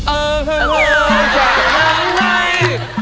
เออเฮ้อเฮ้อช่อยมาใหม่